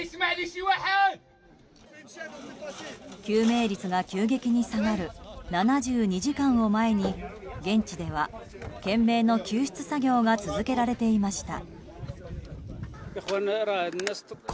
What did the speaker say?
救命率が急激に下がる７２時間を前に現地では、懸命の救出作業が続けられていました。